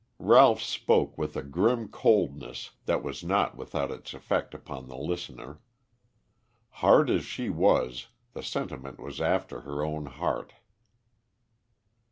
Ralph spoke with a grim coldness that was not without its effect upon the listener. Hard as she was, the sentiment was after her own heart.